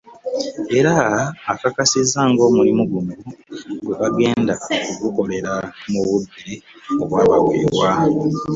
Era akakasizza ng'omulimu guno bwe bagenda okugukolera mu budde obwabaweebwa